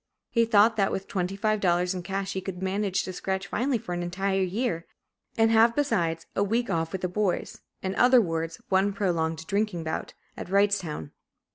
He thought that with twenty five dollars in cash, he could "manage to scratch finely" for an entire year, and have besides "a week off with the boys," in other words, one prolonged drinking bout, at Wrightstown.